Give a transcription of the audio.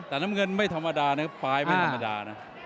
แต่น้ำเงินไม่ธรรมดานะครับปลายไม่ธรรมดานะ